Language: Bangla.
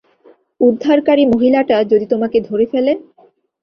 উদ্ধারকারী মহিলাটা যদি তোমাকে ধরে ফেলে?